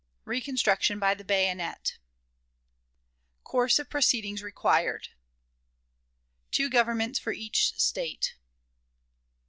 Reconstruction by the Bayonet. Course of Proceedings required. Two Governments for Each State.